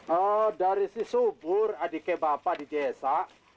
oh dari si subur adiknya bapak di desa